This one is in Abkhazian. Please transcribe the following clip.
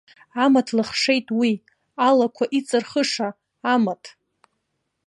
Амаҭ лыхшеит уи, алақәа иҵырхыша, амаҭ!